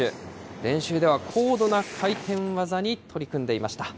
練習では高度な回転技に取り組んでいました。